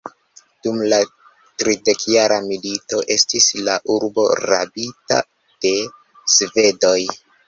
Dum la tridekjara milito estis la urbo rabita de svedoj.